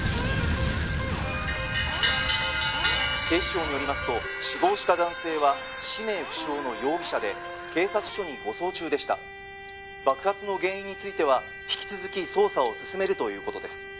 警視庁によりますと死亡した男性は氏名不詳の容疑者で警察署に護送中でした爆発の原因については引き続き捜査を進めるということです